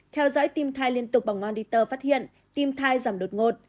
theo dõi tim thai liên tục bằng moniter phát hiện tim thai giảm đột ngột